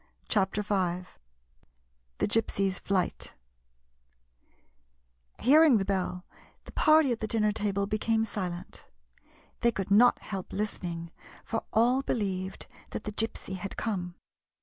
56 CHAPTER V THE GYPSY'S FLIGHT H EARING the bell, the party at the din ner table became silent. They could not help listening, for all believed that the Gypsy had come.